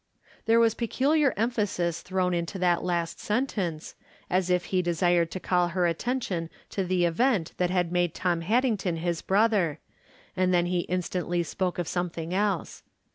There was peculiar emphasis thrown into that last sentence, as if he desired to call her attention to the event that had made Tom Haddington his brother, and then he instantly spoke of some tliing else.